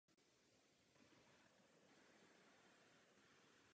Narodil se v bulharském hlavním městě Sofii.